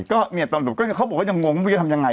ก็เขาบอกว่ายังงงว่าจะทำยังไง